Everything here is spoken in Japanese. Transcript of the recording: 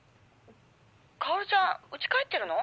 「薫ちゃん家帰ってるの？」